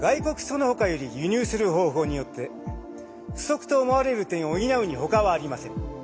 そのほかより輸入する方法によって不足と思われる点を補うにほかはありません。